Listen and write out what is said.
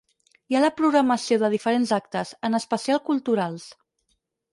Hi ha la programació de diferents actes, en especial culturals.